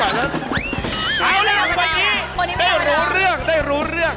เอาล่ะวันนี้ได้รู้เรื่อง